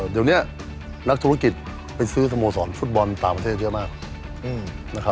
เดี๋ยวนี้นักธุรกิจไปซื้อสโมสรฟุตบอลต่างประเทศเยอะมาก